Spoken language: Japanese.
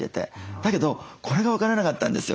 だけどこれが分からなかったんですよ